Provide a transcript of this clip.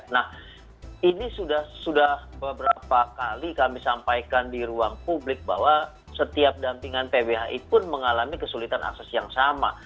nah ini sudah beberapa kali kami sampaikan di ruang publik bahwa setiap dampingan pbhi pun mengalami kesulitan akses yang sama